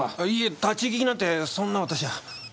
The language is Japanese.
いいえ立ち聞きなんてそんな私は。